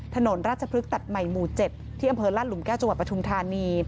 ถนนราชพฤกษัตใหม่หมู่๗ที่อำเภอลาดหลุมแก้วจังหวัดปทุมธานี